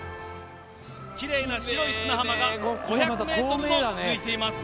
きれいな白い砂浜が５００ｍも続いています。